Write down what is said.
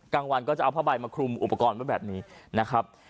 กลางวันก็จะเอาผ้าใบมาคลุมอุปกรณ์ไว้แบบนี้นะครับ